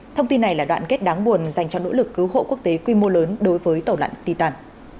thông tin này là đoạn kết đáng buồn dành cho nỗ lực cứu hộ quốc tế quy mô lớn đối với tàu lận titan